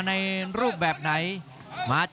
รับทราบบรรดาศักดิ์